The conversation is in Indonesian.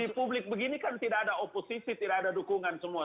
di publik begini kan tidak ada oposisi tidak ada dukungan semua